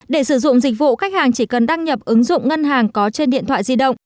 để sử dụng dịch vụ khách hàng chỉ cần đăng nhập ứng dụng ngân hàng có trên điện thoại di động